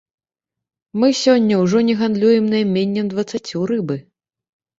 Мы сёння ўжо не гандлюем найменнем дваццаццю рыбы.